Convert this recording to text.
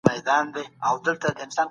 دا ډېر مهم دئ.